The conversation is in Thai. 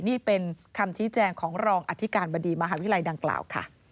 นี่เป็นคำชี้แจงของรองอธิการบดีมหาวิทยาลัยดังกล่าวค่ะ